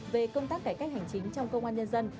về công tác cải cách hành chính trong công an nhân dân